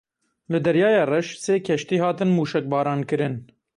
Li Deryaya Reş sê keştî hatin mûşekbarankirin.